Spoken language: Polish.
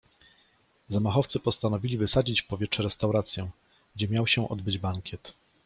Zamachowcy postanowili wysadzić w powietrze restaurację, gdzie miał się odbyć bankiet.